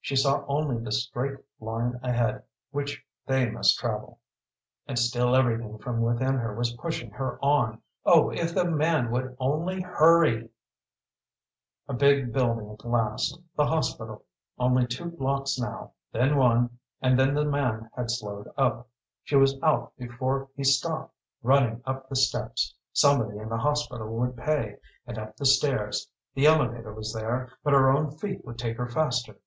She saw only the straight line ahead which they must travel. And still everything from within her was pushing her on oh if the man would only hurry! A big building at last the hospital. Only two blocks now, then one, and then the man had slowed up. She was out before he stopped, running up the steps somebody in the hospital would pay and up the stairs. The elevator was there but her own feet would take her faster.